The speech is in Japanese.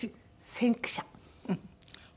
先駆者。